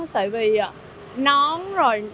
tại vì nón rồi